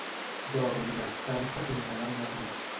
Dorm i descansa fins demà al matí.